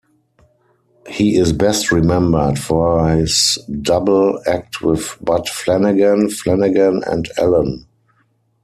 He is best remembered for his double act with Bud Flanagan, Flanagan and Allen.